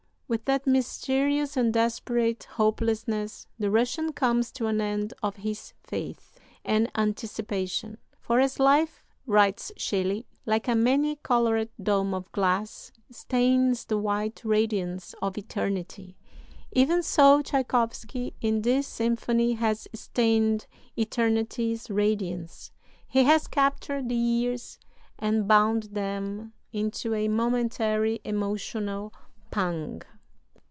"With that mysterious and desperate hopelessness the Russian comes to an end of his faith and anticipation.... For as ['life'], writes Shelley, 'like a many colored dome of glass, stains the white radiance of eternity,' even so Tschaikowsky in this symphony has stained eternity's radiance: he has captured the years and bound them into a momentary emotional pang."